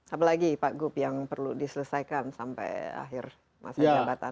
apa lagi pak gub yang perlu diselesaikan sampai akhir masa jabatannya